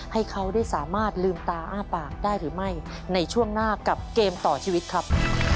ให้เขาได้สามารถลืมตาอ้าปากได้หรือไม่ในช่วงหน้ากับเกมต่อชีวิตครับ